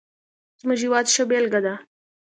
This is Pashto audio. زموږ هېواد ښه بېلګه ده.